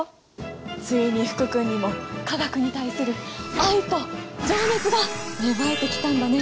ついに福君にも化学に対する愛と情熱が芽生えてきたんだね！